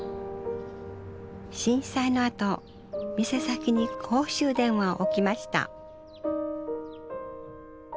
震災のあと店先に公衆電話を置きました